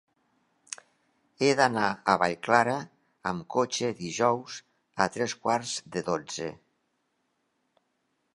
He d'anar a Vallclara amb cotxe dijous a tres quarts de dotze.